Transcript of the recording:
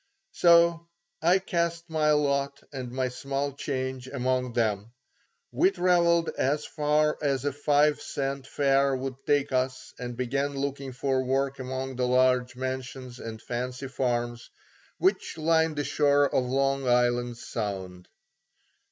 So I cast my lot and my small change among them. We travelled as far as a five cent fare would take us and began looking for work among the large mansions and fancy farms which line the shore of Long Island Sound.